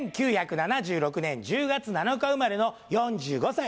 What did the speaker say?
１９７６年１０月７日生まれの４５歳。